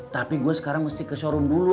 tapi gue sekarang mesti ke showroom dulu